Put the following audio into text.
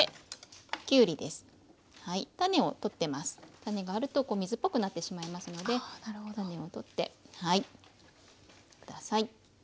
種があると水っぽくなってしまいますので種を取って下さい。